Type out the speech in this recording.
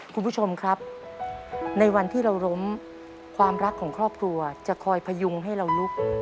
ทุกวันที่เราร้มความรักของครอบครัวจะคอยพยุงให้เรารุก